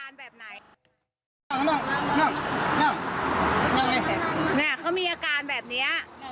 เนี่ยเขามีอาการแบบนี้